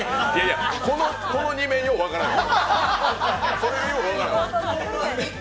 この２面、よう分からん。